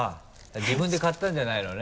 自分で買ったんじゃないのね？